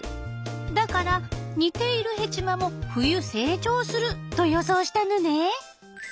だから似ているヘチマも冬成長すると予想したのね。